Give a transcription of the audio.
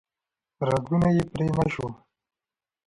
رګونه یې پرې نه شو